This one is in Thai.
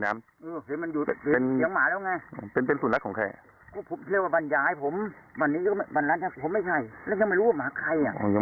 ตัวเองก็เกือบตายเรียบหนึ่ง